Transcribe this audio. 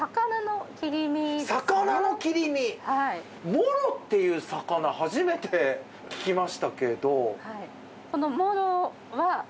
モロっていう魚初めて聞きましたけど。